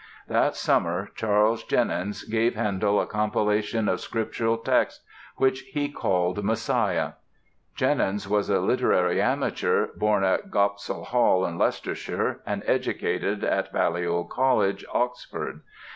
That summer Charles Jennens gave Handel a compilation of Scriptural texts which he called "Messiah." Jennens was a literary amateur, born at Gopsall Hall, Leicestershire and educated at Balliol College, Oxford.